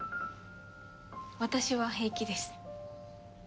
私は平気です。